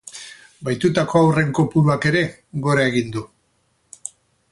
Bahitutako haurren kopuruak ere gora egin du.